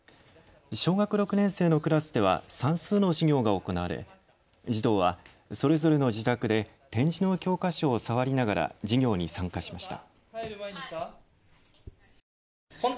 小学６年生のクラスでは算数の授業が行われ児童は、それぞれの自宅で点字の教科書を触りながら授業に参加しました。